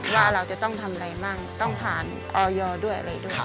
ว่าเราจะต้องทำอะไรมั่งต้องผ่านออยด้วยอะไรด้วย